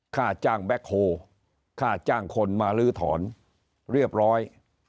ค่าจ้างแบ็คโฮค่าจ้างคนมาลื้อถอนเรียบร้อย